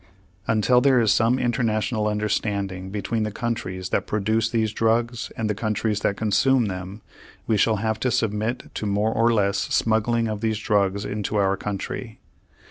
Until there is some international understanding between the countries that produce these drugs and the countries that consume them, we shall have to submit to more or less smuggling of these drugs into our country.